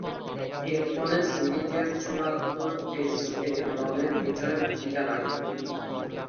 এরফলে সিরিজের চূড়ান্ত টেস্টে দলের বিজয়ে ভূমিকা রাখেন।